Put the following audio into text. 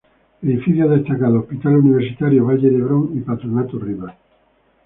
Edificios destacados: Hospital Universitario Valle de Hebrón y Patronato Ribas.